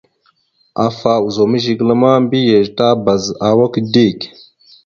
Afa ozum zigəla ma, mbiyez tabaz awak dik.